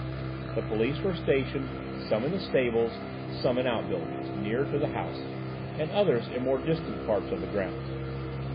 The police were stationed, some in the stables, some in out buildings nearer to the house, and others in more distant parts of the grounds.